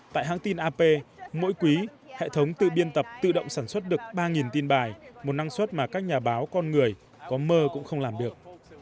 tại hãng tin ap mỗi quý hệ thống tự biên tập tự động sản xuất được ba tin bài một năng suất mà các nhà báo con người có mơ cũng không làm được